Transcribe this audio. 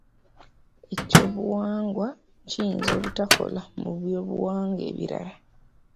Ekyobuwangwa kiyinza obutakola mu byobuwangwa ebirala.